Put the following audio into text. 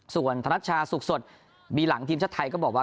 ส่วนธนัชชาสุขสดบีหลังทีมชาติไทยก็บอกว่า